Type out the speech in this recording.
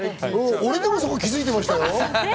これでもそこ、気づいてましたよ。